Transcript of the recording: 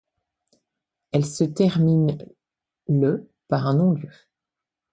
Elle se termine le par un non-lieu.